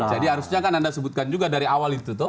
jadi harusnya kan anda sebutkan juga dari awal itu tuh